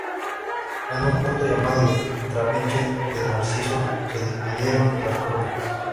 En un punto llamado el Trapiche de Narciso se dividieron las columnas"".